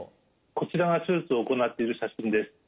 こちらが手術を行っている写真です。